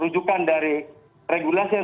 rujukan dari regulasi yang